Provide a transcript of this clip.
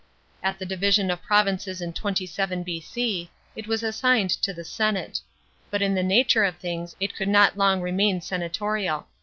At the division of provinces in 27 B.C. it was assigned to the senate. But in the nature of things it could not long remain senatorial.